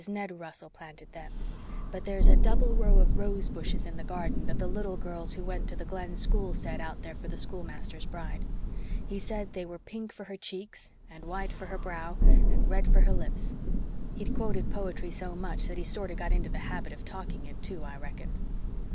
Ned Russell planted THEM. But there's a double row of rose bushes in the garden that the little girls who went to the Glen school set out there for the schoolmaster's bride. He said they were pink for her cheeks and white for her brow and red for her lips. He'd quoted poetry so much that he sorter got into the habit of talking it, too, I reckon.